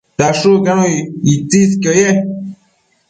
dashucquenu itsisquio ye